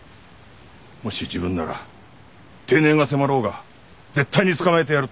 もし自分なら定年が迫ろうが絶対に捕まえてやるとあがく。